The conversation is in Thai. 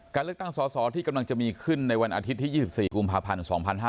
การเลือกตั้งสอสอที่กำลังจะมีขึ้นในวันอาทิตย์ที่๒๔กุมภาพันธ์๒๕๕๙